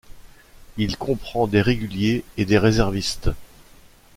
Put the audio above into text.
Il comprend des réguliers et des réservistes.